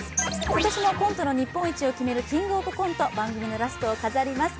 今年もコントの日本一を決める「キングオブコント」、番組のラストを飾ります。